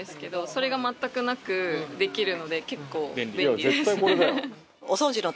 それが全くなくできるので結構便利です。